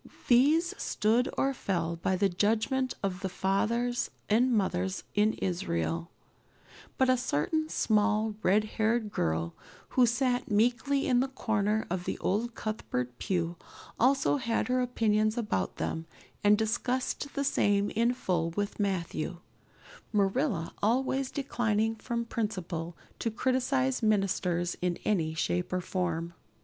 These stood or fell by the judgment of the fathers and mothers in Israel; but a certain small, red haired girl who sat meekly in the corner of the old Cuthbert pew also had her opinions about them and discussed the same in full with Matthew, Marilla always declining from principle to criticize ministers in any shape or form.